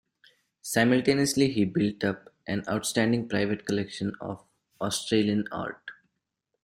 Simultaneously he built up an outstanding private collection of Australian art.